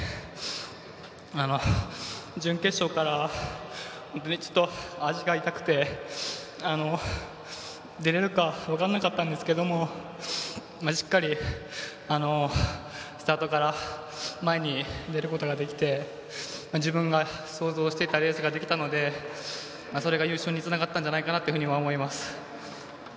準決勝から足が痛くて出れるか分からなかったんですがしっかりスタートから前に出ることができて自分が想像していたレースができたのでそれが優勝につながったんじゃないかなと思います。